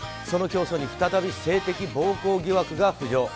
その教祖に再び性的暴行疑惑が浮上。